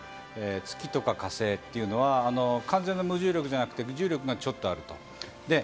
月とか火星というのは完全な無重力じゃなくて、無重力がちょっとあると。